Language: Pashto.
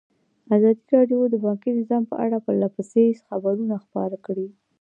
ازادي راډیو د بانکي نظام په اړه پرله پسې خبرونه خپاره کړي.